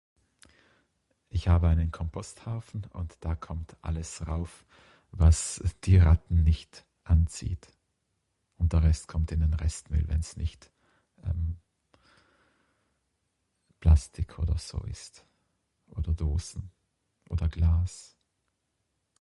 Ich habe einen Komposthaufen und da kommt alles rauf, was die Ratten nicht anzieht und der Rest kommt in den Restmüll wenns nicht ehm Plastik oder so ist, oder Dosen oder Glas.